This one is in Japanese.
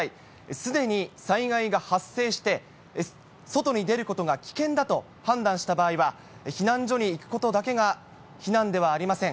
すでに災害が発生して、外に出ることが危険だと判断した場合は、避難所に行くことだけが避難ではありません。